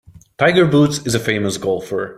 Tiger Woods is a famous golfer.